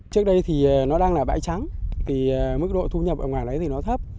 trước đây thì nó đang là bãi trắng thì mức độ thu nhập ở ngoài đấy thì nó thấp